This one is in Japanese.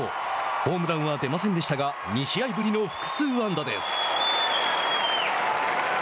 ホームランは出ませんでしたが２試合ぶりの複数安打です。